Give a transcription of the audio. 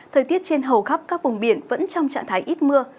thời tiết trên hầu khắp các vùng biển vẫn trong trạng thái ít mưa